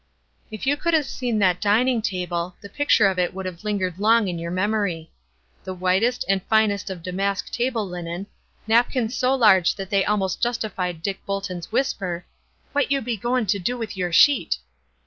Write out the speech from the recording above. If you could have seen that dining table, the picture of it would have lingered long in your memory. The whitest and finest of damask table linen; napkins so large that they almost justified Dick Bolton's whisper, "What be you goin' to do with your sheet?"